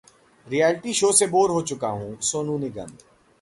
reality show से bore हो चूका हूं: सोनू निगम